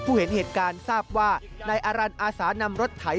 เห็นเหตุการณ์ทราบว่านายอารันอาสานำรถไถ